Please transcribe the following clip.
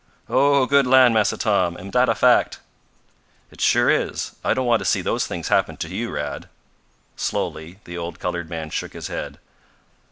"Oh, good land, Massa Tom! Am dat a fact?" "It sure is. I don't want to see those things happen to you, Rad." Slowly the old colored man shook his head.